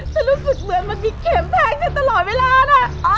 ฉันรู้สึกเหมือนมันมีเข็มแทงฉันตลอดเวลานะ